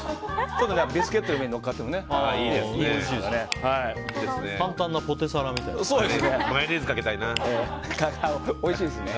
ちょっと、ビスケットの上にのっけてもおいしいですよね。